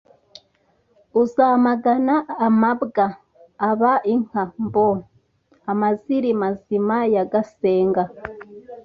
uzamagana amabwa Aba inka mbo amaziri Mazina ya Gasenga